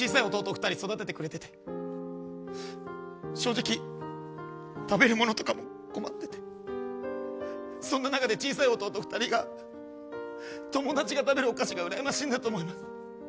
２人育ててくれてて正直、食べるものとかも困っててそんな中で小さい弟２人が友達が食べるお菓子がうらやましいんだと思います。